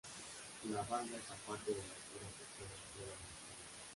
La "banda" es la parte de la esfera que queda fuera del cilindro.